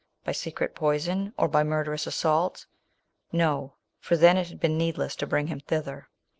By secret poison ? or by murderous assault ? No — for then it had been needless to bring him thither.